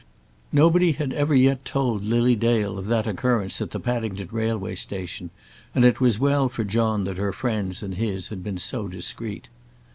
Nobody had ever yet told Lily Dale of that occurrence at the Paddington Railway Station, and it was well for John that her friends and his had been so discreet.